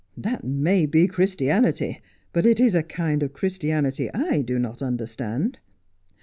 ' That may be Christianity, but it is a kind of Christianity I do not understand.'